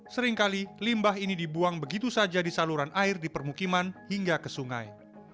seringkali limbah ini dibuang begitu saja di saluran air di permukiman hingga ke sungai